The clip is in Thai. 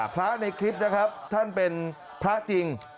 พระในคลิปนะครับท่านเป็นพระจริง